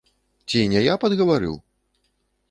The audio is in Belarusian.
Ці не я падгаварыў?